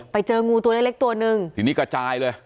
ไปเจองูตัวเล็กเล็กตัวหนึ่งทีนี้กระจายเลย